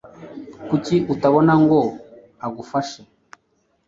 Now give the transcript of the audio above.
Kuki utabona ngo agufashe?